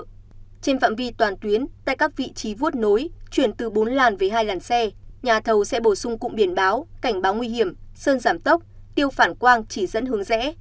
trên phạm vi toàn tuyến tại các vị trí vuốt nối chuyển từ bốn làn về hai làn xe nhà thầu sẽ bổ sung cụm biển báo cảnh báo nguy hiểm sơn giảm tốc tiêu phản quang chỉ dẫn hướng rẽ